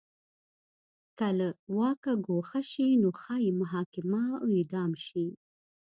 که له واکه ګوښه شي نو ښايي محاکمه او اعدام شي.